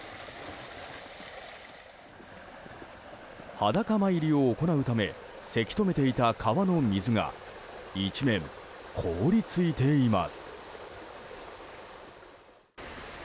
裸参りを行うためせき止めていた川の水が一面、凍り付いています。